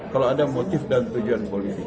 kalau ada motif dan tujuan politik